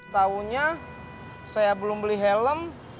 tahunya saya belum beli helm